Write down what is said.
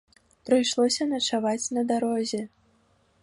Прыйшлося начаваць на дарозе.